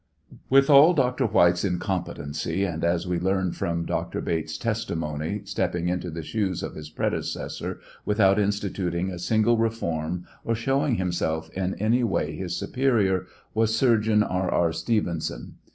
With all Dr. White's incompetency, and, as we learn from Dr. Bates's testimony, stepping into the shoes of his predecessor without instituting a single reform or showing himself in any way his superior, was Surgeon R. R. Stevenson.